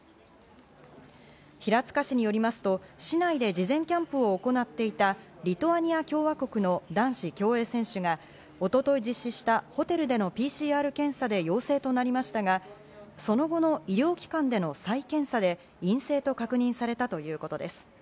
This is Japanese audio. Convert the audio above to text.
平塚市によりますと市内で事前キャンプを行っていた、リトアニア共和国の男子競泳選手が一昨日、実施したホテルでのＰＣＲ検査で陽性となりましたが、その後の医療機関での再検査で陰性と確認されたということです。